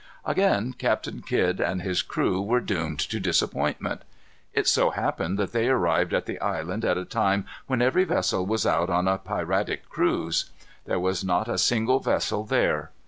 Again Captain Kidd and his crew were doomed to disappointment. It so happened that they arrived at the island at a time when every vessel was out on a piratic cruise. There was not a single vessel there.